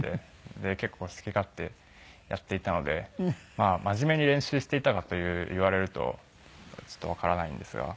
で結構好き勝手やっていたのでまあ真面目に練習していたかと言われるとちょっとわからないんですが。